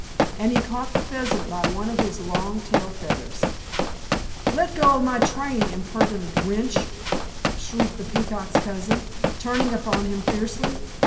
And he caught the Pheasant by one of his long tail feathers. "Let go my train, impertinent wretch!" shrieked the Peacock's cousin, turning upon him fiercely.